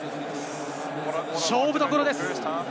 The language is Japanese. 勝負どころです。